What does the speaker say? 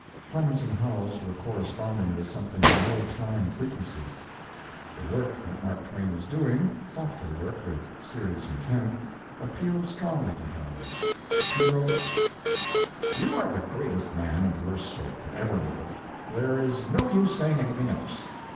Clemens and Howells were corresponding with something of the old time frequency. The work that Mark Twain was doing thoughtful work with serious intent appealed strongly to Howells. He wrote: You are the greatest man of your sort that ever lived, and there is no use saying anything else....